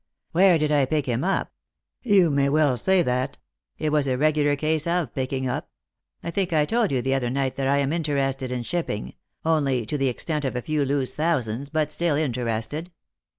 "Where did I pick him up? You may well say that. It was a regular case of picking up. I think I told you the other night that I am interested in shipping ; only to the extent of a few loose thousands, but still interested."